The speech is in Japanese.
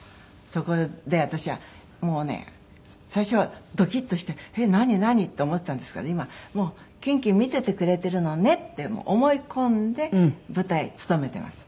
そこで私はもうね最初はドキッとしてえっ何何？って思ってたんですが今もうキンキン見ててくれているのねって思い込んで舞台務めてます。